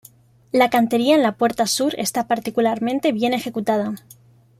La cantería en la puerta sur está particularmente bien ejecutada.